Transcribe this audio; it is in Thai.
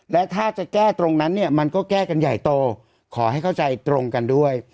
และถ้าจะแก้ตรงนั้นเนี่ยมันก็แก้กันใหญ่โตขอให้เข้าใจตรงกันด้วย